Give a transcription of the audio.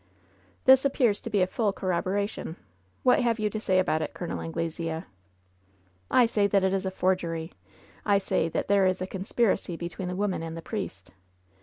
"This appears to be a full corroboration. What have you to say about it. Col. Anglesea V^ "I say that it is a forgery ! I say that there is a con spiracy between the woman and the priest.